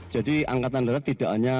jadi angkatan darat tidak hanya